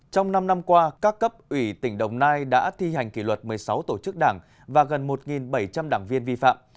trong năm năm qua các cấp ủy tỉnh đồng nai đã thi hành kỷ luật một mươi sáu tổ chức đảng và gần một bảy trăm linh đảng viên vi phạm